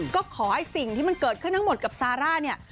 ก็ขอให้สิ่งที่มันเกิดขึ้นทั้งหมดกับซาร่าเนี่ย